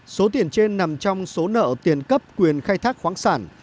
số tiền trên nằm trong số nợ tiền cấp quyền khai thác khoáng sản